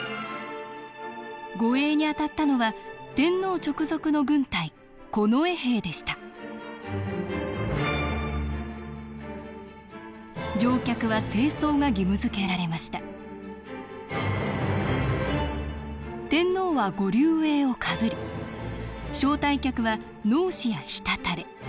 護衛に当たったのは天皇直属の軍隊近衛兵でした乗客は正装が義務づけられました天皇は御立纓をかぶり招待客は直衣や直垂。